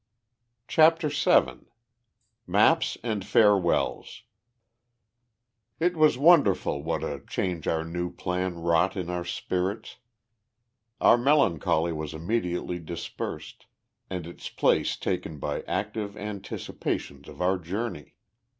CHAPTER VII MAPS AND FAREWELLS It was wonderful what a change our new plan wrought in our spirits. Our melancholy was immediately dispersed, and its place taken by active anticipations of our journey.